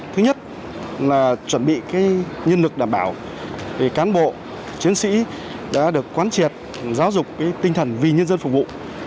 thứ nhất là chuẩn bị nhân lực đảm bảo cán bộ chiến sĩ đã được quán triệt giáo dục tinh thần vì nhân dân phục vụ